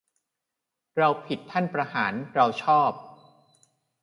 เราผิดท่านประหาร เราชอบ